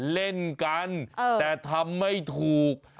เล่นกันแต่ทำไม่ถูก